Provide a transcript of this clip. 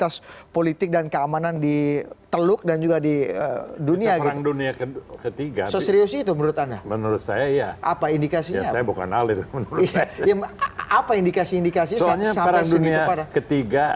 soalnya perang dunia ketiga